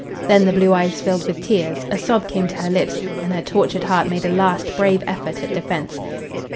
Then the blue eyes filled with tears, a sob came to her lips, and her tortured heart made a last, brave effort at defense.